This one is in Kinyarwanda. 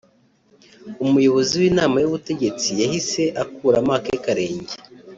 Umuyobozi w’inama y’ubutegetsi yahise akuramo ake karenge